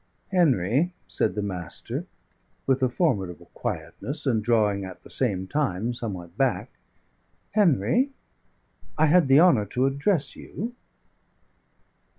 "Henry," said the Master, with a formidable quietness, and drawing at the same time somewhat back "Henry, I had the honour to address you."